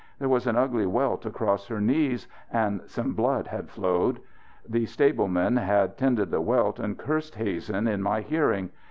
There was an ugly welt across her knees and some blood had flowed. The stablemen had tended the welt, and cursed Hazen in my hearing.